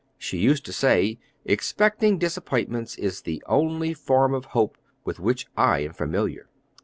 She used to say, "Expecting disappointments is the only form of hope with which I am familiar."